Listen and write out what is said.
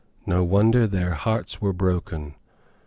No wonder their hearts were broken.